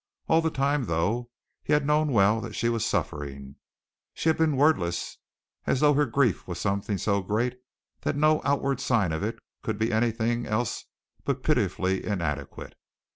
All the time, though he had known well that she was suffering, she had been wordless, as though her grief were something so great that no outward sign of it could be anything else but pitifully inadequate.